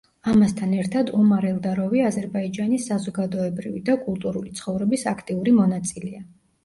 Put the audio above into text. ამასთან ერთად ომარ ელდაროვი აზერბაიჯანის საზოგადოებრივი და კულტურული ცხოვრების აქტიური მონაწილეა.